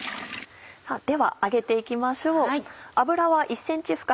では揚げて行きましょう。